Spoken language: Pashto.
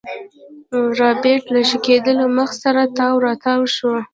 رابرټ له شکېدلي مخ سره تاو راتاو شو.